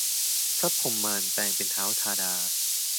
พระพรหมานแปลงเป็นท้าวธาดา